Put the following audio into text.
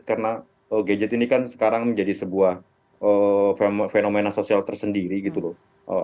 karena gadget ini kan sekarang menjadi sebuah fenomena sosial tersendiri gitu loh